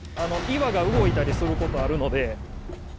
岩が動いたりすることあるので。